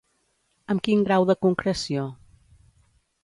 Amb quin grau de concreció?